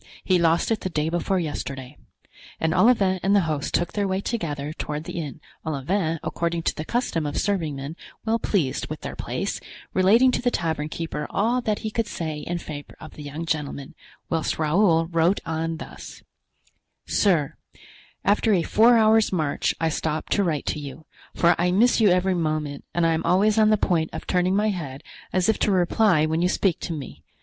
he lost it the day before yesterday." And Olivain and the host took their way together toward the inn, Olivain, according to the custom of serving men well pleased with their place, relating to the tavern keeper all that he could say in favor of the young gentleman; whilst Raoul wrote on thus: "Sir,—After a four hours' march I stop to write to you, for I miss you every moment, and I am always on the point of turning my head as if to reply when you speak to me.